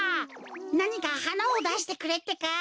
なにかはなをだしてくれってか。